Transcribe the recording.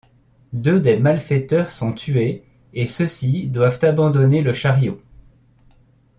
Deux des malfaiteurs sont tués et ceux-ci doivent abandonner le chariot.